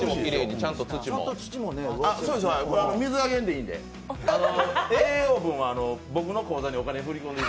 水あげんでいいんで。